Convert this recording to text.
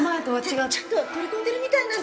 ちょっと取り込んでるみたいなんで。